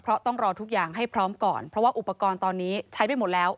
เพราะต้องรอทุกอย่างให้พร้อมก่อนเพราะว่าอุปกรณ์ตอนนี้ใช้ไปหมดแล้ว